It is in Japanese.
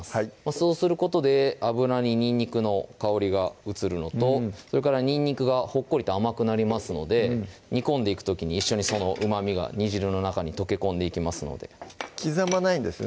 そうすることで油ににんにくの香りが移るのとそれからにんにくがほっこりと甘くなりますので煮込んでいく時に一緒にそのうまみが煮汁の中に溶け込んでいきますので刻まないんですね